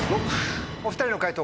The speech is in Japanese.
お２人の解答